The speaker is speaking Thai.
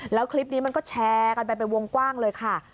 แล้วคลิปนี้มันก็แชร์กันไปเป็นวงกว้างเลยค่ะ